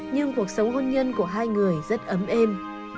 nhưng cuộc sống hôn nhân của hai người rất ấm êm